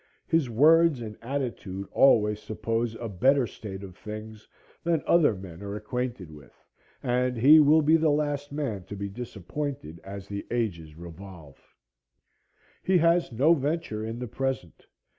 His words and attitude always suppose a better state of things than other men are acquainted with, and he will be the last man to be disappointed as the ages revolve. He has no venture in the present.